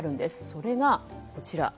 それがこちら。